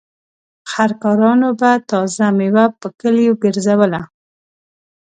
خر کارانو به تازه مېوه په کليو ګرځوله.